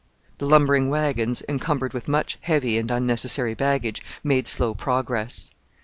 The lumbering wagons, encumbered with much heavy and unnecessary baggage, made slow progress.